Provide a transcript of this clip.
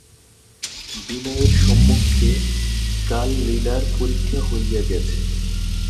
বিনয়ের সম্মুখে কাল লীলার পরীক্ষা হইয়া গেছে।